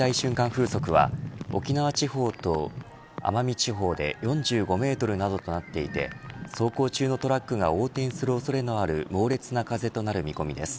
風速は沖縄地方と奄美地方で４５メートルなどとなっていて走行中のトラックが横転する恐れのある猛烈な風となる見込みです。